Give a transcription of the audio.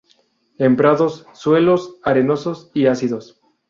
En prados, suelos arenosos y ácidos.